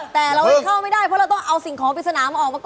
แต่เราเข้าไม่ได้เพราะเราต้องเอาสิ่งของปริศนามาออกมาก่อน